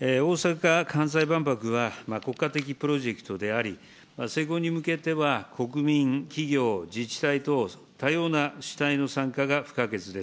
大阪・関西万博は、国家的プロジェクトであり、成功に向けては国民、企業、自治体等、多様な主体の参加が不可欠です。